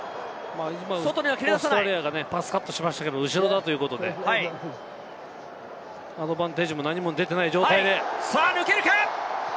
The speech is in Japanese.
今、オーストラリアがパスカットしましたけれども後ろだということで、アドバンテージも何も出ていない状態で抜けるか？